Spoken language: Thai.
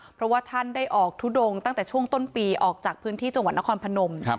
เพราะว่าท่านได้ออกทุดงตั้งแต่ช่วงต้นปีออกจากพื้นที่จังหวัดนครพนม